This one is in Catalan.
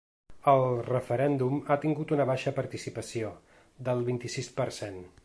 El referèndum ha tingut una baixa participació, del vint-i-sis per cent.